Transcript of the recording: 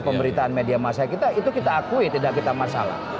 pemberitaan media masa kita itu kita akui tidak kita masalah